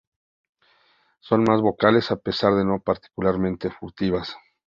Son más vocales, a pesar de no particularmente furtivas.